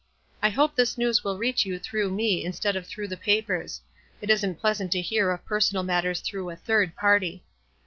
I hope this news will reach you through me instead of through the papers. It isn't pleas ant to hear of personal matters through a third party.